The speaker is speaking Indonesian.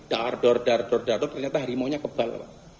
dardor dardor dardor ternyata harimau nya kebal